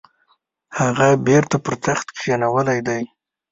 هغه بیرته پر تخت کښېنولی دی.